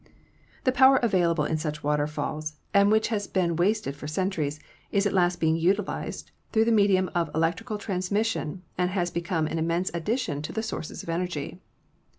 The power available in such waterfalls, and which has been wasted for centuries, is at last being utilized through the medium of electrical transmission and has become an immense addition to the sources of energy.